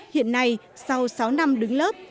hiện nay sau sáu năm đứng lớp